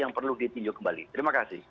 yang perlu ditinjau kembali terima kasih